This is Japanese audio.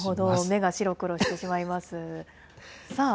目が白黒してしまいます。